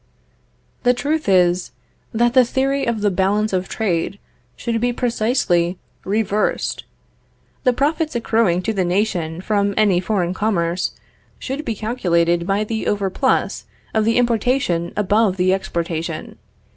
The truth is, that the theory of the Balance of Trade should be precisely reversed. The profits accruing to the nation from any foreign commerce should be calculated by the overplus of the importation above the exportation.